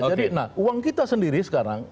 jadi uang kita sendiri sekarang